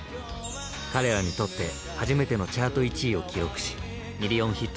彼らにとって初めてのチャート１位を記録しミリオンヒットしました。